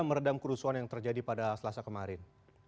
meredam kerusuhan yang terjadi pada selasa kemarin